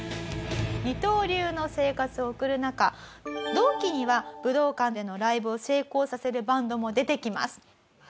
二刀流の生活を送る中同期には武道館でのライブを成功させるバンドも出てきます。